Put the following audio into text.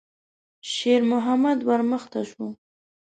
شېرمحمد ور مخته شو.